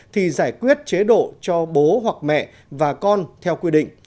thì giải quyết chế độ cho bố hoặc mẹ và con theo quy định